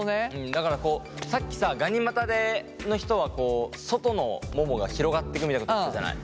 だからさっきさガニ股の人は外のももが広がってくみたいなこと言ってたじゃない。